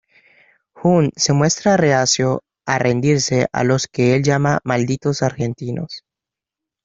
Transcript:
Hunt se muestra reacio a rendirse a los que el llama "malditos argentinos".